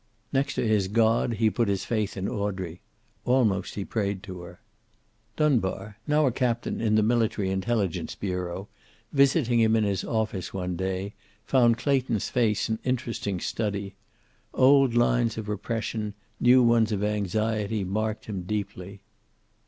Next to his God, he put his faith in Audrey. Almost he prayed to her. Dunbar, now a captain in the Military Intelligence Bureau, visiting him in his office one day, found Clayton's face an interesting study. Old lines of repression, new ones of anxiety, marked him deeply.